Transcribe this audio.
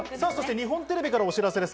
日本テレビからのお知らせです。